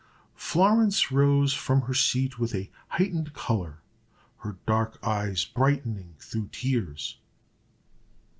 Florence rose from her seat with a heightened color, her dark eyes brightening through tears.